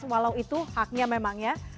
walau itu haknya memang ya